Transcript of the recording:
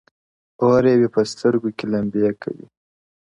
o اور يې وي په سترگو کي لمبې کوې؛